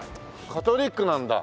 カトリックなんだ。